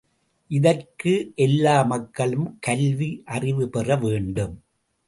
இதற்கு எல்லா மக்களும் கல்வி அறிவு பெற வேண்டும்.